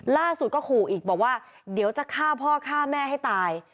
ล่าสุดก็ขู่อีกบอกว่าเดี๋ยวจะฆ่าพ่อฆ่าแม่ให้ตาย